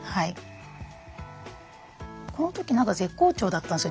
この時何か絶好調だったんですよ